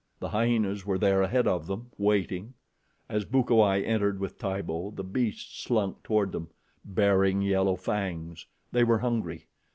The hyenas were there ahead of them, waiting. As Bukawai entered with Tibo, the beasts slunk toward them, baring yellow fangs. They were hungry.